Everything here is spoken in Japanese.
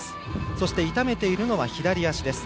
そして痛めているのは左足です。